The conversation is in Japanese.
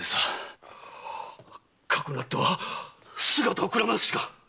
かくなっては姿をくらますしか！